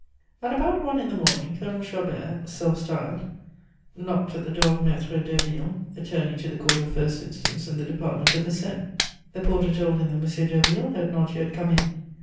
At about one in the morning Colonel Chabert, self styled, knocked at the door of Maitre Derville, attorney to the Court of First Instance in the Department of the Seine. The porter told him that Monsieur Derville had not yet come in.